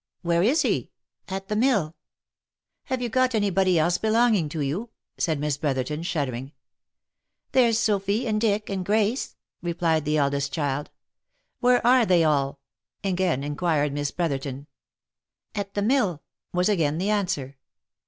"Where is he?" " At the mill." " Have you got any body else belonging to you ?" said Miss Bro therton, shuddering. '• There's Sophy, and Dick, and Grace," replied the eldest child. " Where are they all ?" again inquired Miss Brotherton. " At the mill," was again the answer.